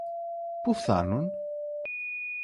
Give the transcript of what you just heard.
Πού φθάνουν;